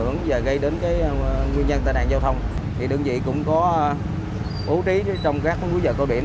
nguyên nhân tai nạn giao thông thì đường dị cũng có bố trí trong các khu vực giao điểm